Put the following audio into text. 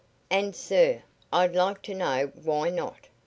"And, sir, I'd like to know why not?"